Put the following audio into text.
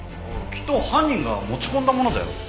きっと犯人が持ち込んだものだよ。